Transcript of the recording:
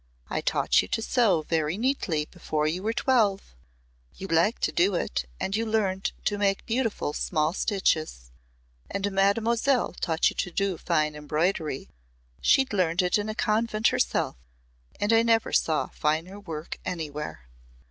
"I taught you to sew very neatly before you were twelve. You liked to do it and you learned to make beautiful small stitches. And Mademoiselle taught you to do fine embroidery. She'd learned it in a convent herself and I never saw finer work anywhere."